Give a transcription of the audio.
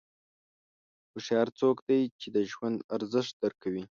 هوښیار څوک دی چې د ژوند ارزښت درک کوي.